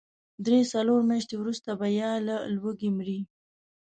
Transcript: درې، څلور مياشتې وروسته به يا له لوږې مري.